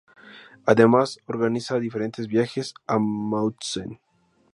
Además organiza diferentes viajes a Mauthausen.